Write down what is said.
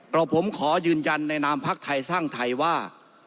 แล้วผมขอยืนยันในนามพักไทยสร้างไทยว่า